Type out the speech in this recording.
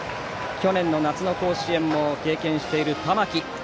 去年の夏の甲子園も経験している玉木。